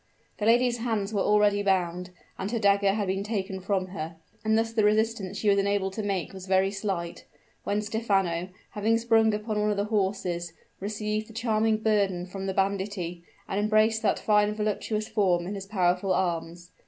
The lady's hands were already bound, and her dagger had been taken from her; and thus the resistance she was enabled to make was very slight, when Stephano, having sprung upon one of the horses, received the charming burden from the banditti, and embraced that fine voluptuous form in his powerful arms.